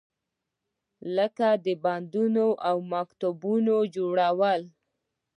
لکه د بندونو او مکتبونو جوړول.